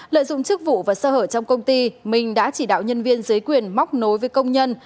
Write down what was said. lợi dụng chức vụ và sơ hở trong công ty minh đã chỉ đạo nhân viên dưới quyền móc nối với công nhân